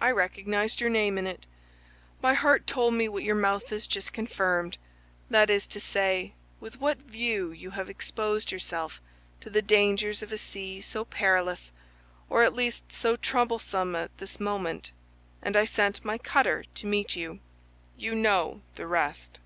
I recognized your name in it. My heart told me what your mouth has just confirmed—that is to say, with what view you have exposed yourself to the dangers of a sea so perilous, or at least so troublesome at this moment—and I sent my cutter to meet you. You know the rest."